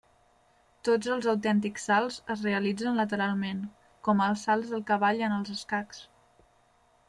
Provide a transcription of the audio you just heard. Tots els autèntics salts es realitzen lateralment, com els salts del cavall en els escacs.